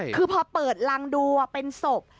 คือพอเปิดรังดูเป็นศพ